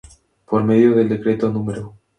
Por medio del Decreto No.